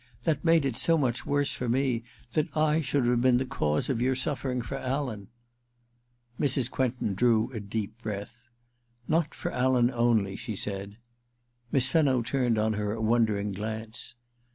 That made it so much worse for me — that I should have been the cause of your suflfering for Alan !' Mrs. Quentin drew a deep breath. *Not for Alan only,' she said. Miss Fenno turned on her a wondering glance.